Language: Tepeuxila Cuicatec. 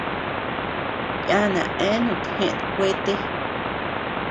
Yana eanut jeʼët kuete.